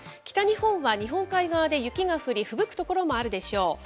北日本は日本海側で雪が降り、ふぶく所もあるでしょう。